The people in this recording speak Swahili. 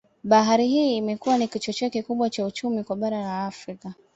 Bahari hii imekuwa ni kichocheo kikubwa cha uchumi kwa bara la Afrika